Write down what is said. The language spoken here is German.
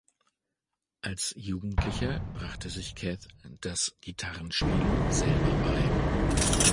Als Jugendlicher brachte sich Kath das Gitarrespielen selbst bei.